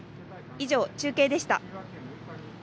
以上、中継でした。